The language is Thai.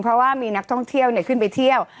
เพราะว่ามีนักท่องเที่ยวขึ้นไปเที่ยว